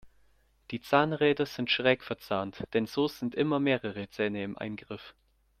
Die Zahnräder sind schräg verzahnt, denn so sind immer mehrere Zähne im Eingriff.